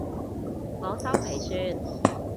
我修皮算